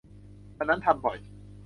อันนั้นทำบ่อย.